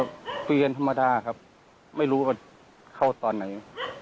นาธีธรรมดาครับไม่รู้เข้าตอนไหน